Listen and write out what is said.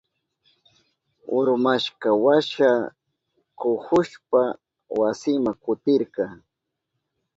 Urmashkanwasha kuhushpa wasinma kutirka.